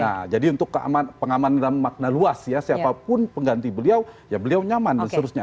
nah jadi untuk keamanan dalam makna luas ya siapapun pengganti beliau ya beliau nyaman dan seterusnya